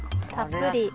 たっぷり。